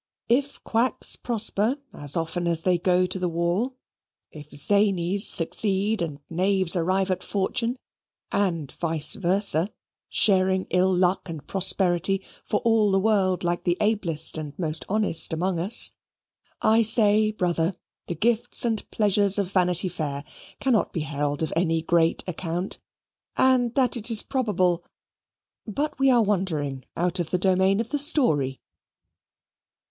If quacks prosper as often as they go to the wall if zanies succeed and knaves arrive at fortune, and, vice versa, sharing ill luck and prosperity for all the world like the ablest and most honest amongst us I say, brother, the gifts and pleasures of Vanity Fair cannot be held of any great account, and that it is probable ... but we are wandering out of the domain of the story.